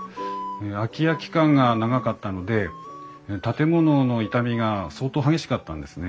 空き家期間が長かったので建物の傷みが相当激しかったんですね。